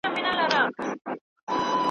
تر چار چوبه دی راغلې لېونۍ د ځوانۍ مینه `